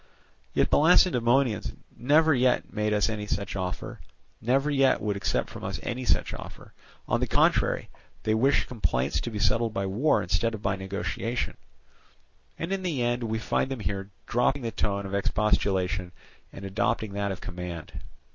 Yet the Lacedaemonians never yet made us any such offer, never yet would accept from us any such offer; on the contrary, they wish complaints to be settled by war instead of by negotiation; and in the end we find them here dropping the tone of expostulation and adopting that of command.